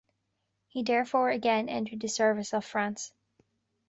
He therefore again entered the service of France.